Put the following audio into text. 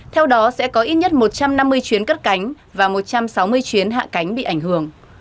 theo đó sẽ có ít nhất một trăm năm mươi chuyến cất cánh và một trăm sáu mươi chuyến hạ cánh bị ảnh hưởng